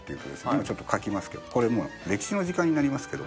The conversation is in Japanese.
今ちょっと描きますけどこれもう歴史の時間になりますけど。